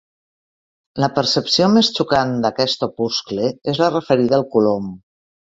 La percepció més xocant d'aquest opuscle és la referida al colom.